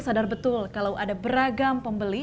sadar betul kalau ada beragam pembeli